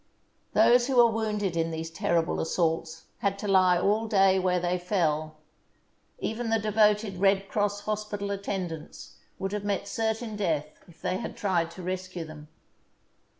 Those who were wounded in these terrible as saults had to lie all day where they fell. Even the devoted Red Cross hospital attendants would have met certain death if they had tried to rescue them.